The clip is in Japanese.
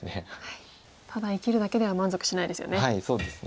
ただ生きるだけでは満足しないですよね。